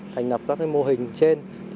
thành lập các mô hình trên